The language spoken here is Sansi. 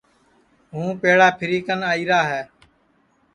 ہُو پیڑا پھری کن آئیرا ہے